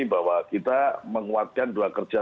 bahwa kita menguatkan dua kerja